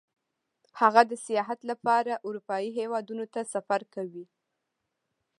هغه د سیاحت لپاره اروپايي هېوادونو ته سفر کوي